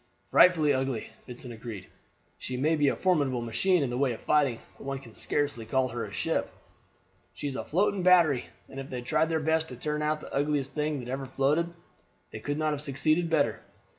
"Frightfully ugly," Vincent agreed. "She may be a formidable machine in the way of fighting, but one can scarcely call her a ship." "She is a floating battery, and if they tried their best to turn out the ugliest thing that ever floated they could not have succeeded better.